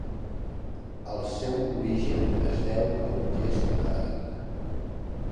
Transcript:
El seu origen es deu a un gest heroic.